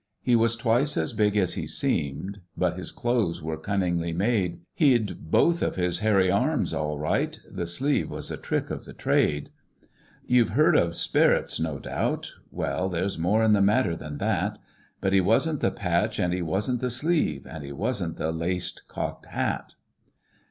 "He was twice as big as he seemed; But his clothes were cunningly made. He'd both of his hairy arms all right! The sleeve was a trick of the trade. "You've heard of sperrits, no doubt; Well, there's more in the matter than that! But he wasn't the patch and he wasn't the sleeve, And he wasn't the laced cocked hat.